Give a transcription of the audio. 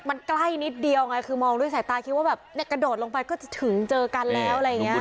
มันใกล้นิดเดียวไงคือมองด้วยสายตาคิดว่าแบบเนี่ยกระโดดลงไปก็จะถึงเจอกันแล้วอะไรอย่างนี้